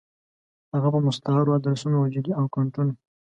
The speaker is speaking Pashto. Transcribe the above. هفه په مستعارو ادرسونو او جعلي اکونټونو